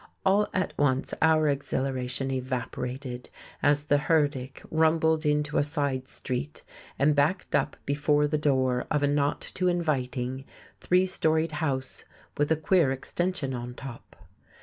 All at once our exhilaration evaporated as the herdic rumbled into a side street and backed up before the door of a not too inviting, three storied house with a queer extension on top.